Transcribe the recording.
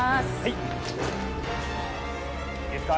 いいですか？